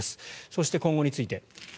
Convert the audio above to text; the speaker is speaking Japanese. そして今後について。